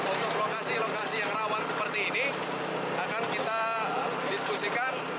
untuk lokasi lokasi yang rawan seperti ini akan kita diskusikan